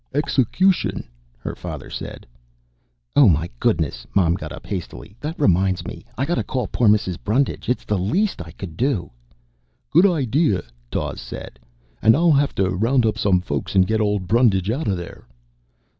"Execution," her father said. "Oh, my goodness!" Mom got up hastily. "That reminds me. I gotta call poor Mrs. Brundage. It's the least I could do." "Good idea," Dawes nodded. "And I'll have to round up some folks and get old Brundage out of there."